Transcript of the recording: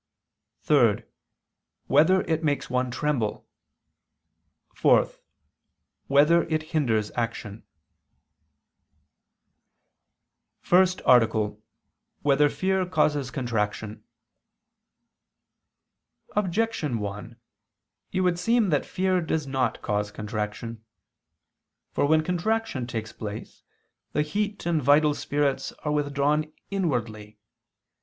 (3) Whether it makes one tremble? (4) Whether it hinders action? ________________________ FIRST ARTICLE [I II, Q. 44, Art. 1] Whether Fear Causes Contraction? Objection 1: It would seem that fear does not cause contraction. For when contraction takes place, the heat and vital spirits are withdrawn inwardly.